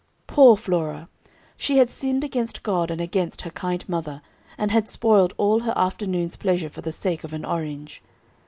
Poor Flora! she had sinned against God, and against her kind mother, and had spoiled all her afternoon's pleasure for the sake of an orange.